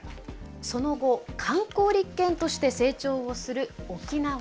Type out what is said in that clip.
その後観光立県として成長をする沖縄経済。